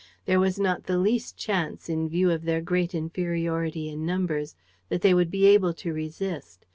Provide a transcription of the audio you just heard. There was not the least chance, in view of their great inferiority in numbers, that they would be able to resist.